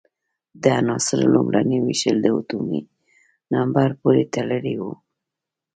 د عناصرو لومړنۍ وېشل د اتومي نمبر پورې تړلی وو.